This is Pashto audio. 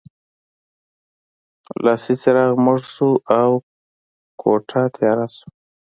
لاسي څراغ مړ شو او کوټه تیاره شوه